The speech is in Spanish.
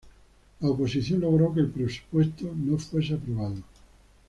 La oposición logró que el presupuesto no fuese aprobado.